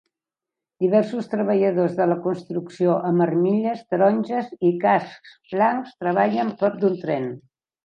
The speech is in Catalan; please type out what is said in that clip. Diversos treballadors de la construcció amb armilles taronges i cascs blancs treballen prop d'un tren.